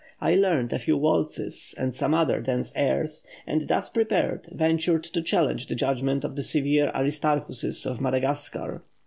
I learned a few waltzes, and some other dance airs, and thus prepared, ventured to challenge the judgment of the severe Aristarchuses of Madagascar.